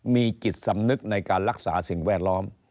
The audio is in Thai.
มีจิตสำนึกในการรักษาสิ่งแวดล้อม